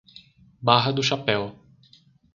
Barra do Chapéu